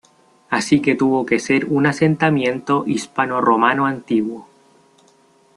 Así que tuvo que ser un asentamiento hispanorromano antiguo.